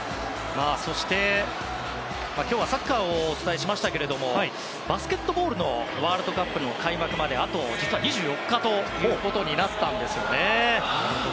そして、今日はサッカーをお伝えしましたけれどもバスケットボールのワールドカップの開幕まであと実は２４日となったんですよね。